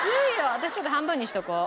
私ちょっと半分にしておこう。